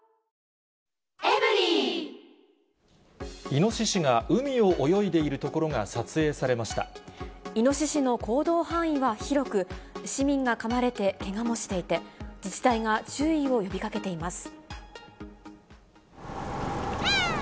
イノシシが海を泳いでいるとイノシシの行動範囲は広く、市民がかまれてけがもしていて、自治体が注意を呼びかけています。